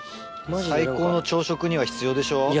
最高の朝食には必要でしょ。